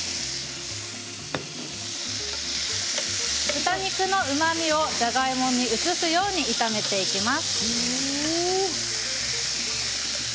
豚肉のうまみをじゃがいもに移すように炒めていきます。